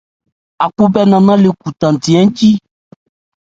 Ákhúbhɛ́ nannán le cu thándi ń thi.